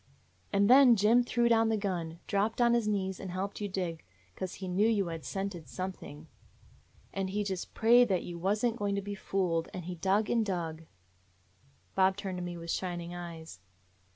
"And then Jim threw down the gun, dropped on his knees, and helped you dig; 'cause he knew you had scented something. And he just prayed that you was n't going to be fooled, and he dug and dug —" Bob turned to me with shining eyes.